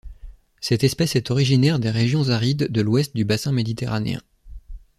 Cette espèce est originaire des régions arides de l'Ouest du bassin méditerranéen.